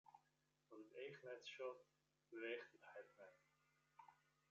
Wat it each net sjocht, beweecht it hert net.